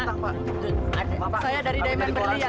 pak pasalnya dari otomobil pak